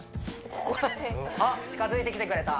ここら辺あっ近づいてきてくれた